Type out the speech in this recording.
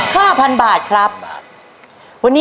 หนึ่งหมื่น